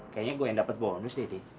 kayaknya gua yang dapet bonus deddy